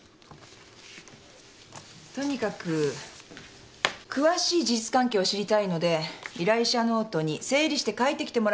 とにかく詳しい事実関係を知りたいので依頼者ノートに整理して書いてきてもらえます？